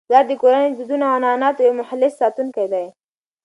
پلار د کورنی د دودونو او عنعناتو یو مخلص ساتونکی دی.